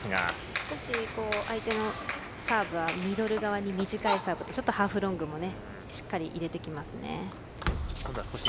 少し、相手のサーブはミドル側に短いサーブでちょっとハーフロングもしっかり入れてきますね。